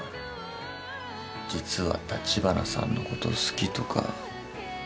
実は立花さんのこと好きとかないよね？